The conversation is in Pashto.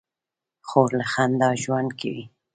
خور له خندا ژوند کوي.